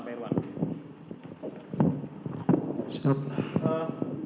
saya ke pak irwan